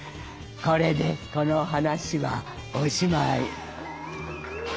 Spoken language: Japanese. これでこの話はおしまい。